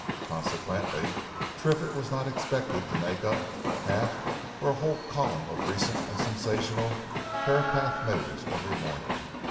Consequently, Triffitt was not expected to make up a half or a whole column of recent and sensational Herapath news every morning.